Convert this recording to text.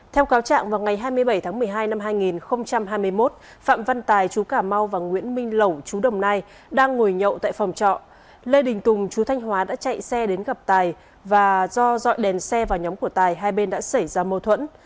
theo cáo trạng vào ngày hai mươi bảy tháng một mươi hai năm hai nghìn hai mươi một phạm văn tài chú cà mau và nguyễn minh lẩu chú đồng nai đang ngồi nhậu tại phòng trọ lê đình tùng chú thanh hóa đã chạy xe đến gặp tài và do dọn đèn xe vào nhóm của tài hai bên đã xảy ra mâu thuẫn